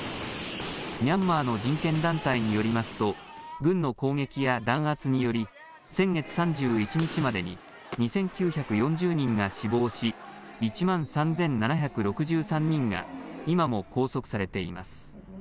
ミャンマーの人権団体によりますと軍の攻撃や弾圧により先月３１日までに２９４０人が死亡し、１万３７６３人が今も拘束されています。